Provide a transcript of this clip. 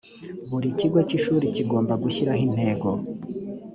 buri kigo k’ ishuri kigomba gushyiraho intego